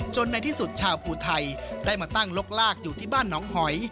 ในที่สุดชาวภูไทยได้มาตั้งลกลากอยู่ที่บ้านน้องหอย